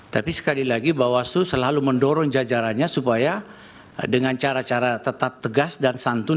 tapi sekali lagi bawaslu selalu mendorong jajarannya supaya dengan cara cara tetap tegas dan santun